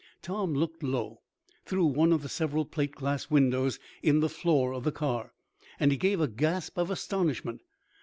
Tom looked low, through one of several plate glass windows in the floor of the car. He gave a gasp of astonishment.